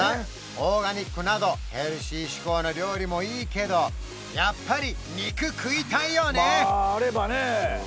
オーガニックなどヘルシー志向の料理もいいけどやっぱり肉食いたいよね？